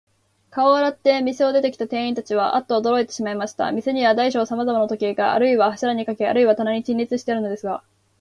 顔を洗って、店へ出てきた店員たちは、アッとおどろいてしまいました。店には大小さまざまの時計が、あるいは柱にかけ、あるいは棚に陳列してあるのですが、